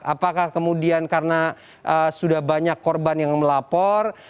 apakah kemudian karena sudah banyak korban yang melapor